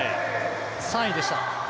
３位でした。